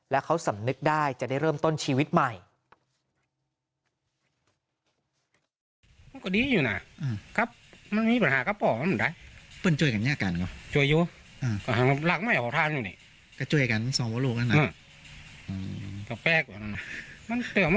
แล้วเขาสำนึกได้จะได้เริ่มต้นชีวิตใหม่